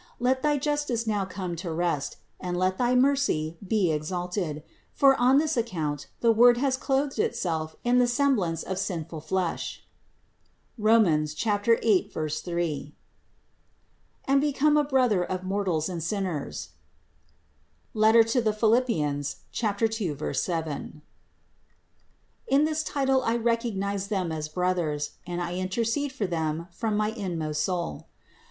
Let thy justice now come to rest, and let thy mercy be ex alted ; for on this account the Word has clothed itself in the semblance of sinful flesh (Rom. 8, 3), and became a Brother of mortals and sinners (Philip 2, 7). In this title I recognize them as brothers and I intercede for them from my inmost soul.